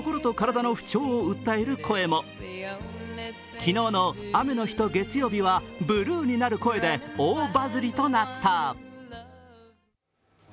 昨日の「雨の日と月曜日は」はブルーになる声で大バズりとなった。